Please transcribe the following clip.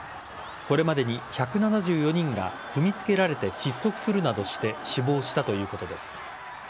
これまでに１７４人が踏みつけられて窒息するなどして死亡したということです。